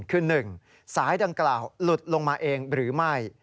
คือ๑สายดังกล่าวหลุดลงมาเองหรือไม่